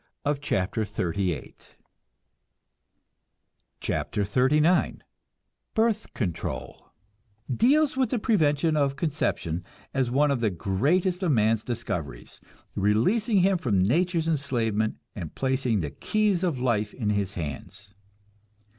CHAPTER XXXIX BIRTH CONTROL (Deals with the prevention of conception as one of the greatest of man's discoveries, releasing him from nature's enslavement, and placing the keys of life in his hands.)